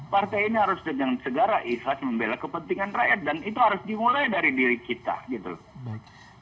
partai ini harus dengan segara ikhlas membela kepentingan rakyat dan itu harus dimulai dari diri kita gitu loh